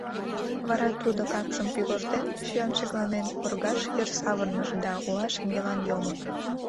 Вара тудо, капшым пӱгыртен, чоян шекланен, оргаж йыр савырныш да уа шеҥгелан йомо.